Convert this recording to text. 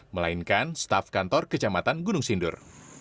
melainkan staf kantor kecamatan gunung sindur